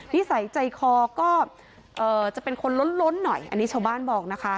นิสัยใจคอก็จะเป็นคนล้นหน่อยอันนี้ชาวบ้านบอกนะคะ